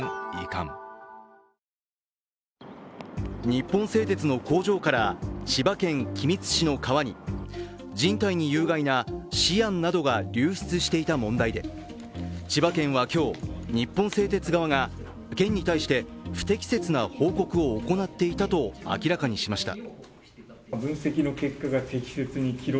日本製鉄の工場から千葉県君津市の川に人体に有害なシアンなどが流出していた問題で千葉県は今日、日本製鉄側が県に対して、不適切な報告を行っていたと明らかにしました。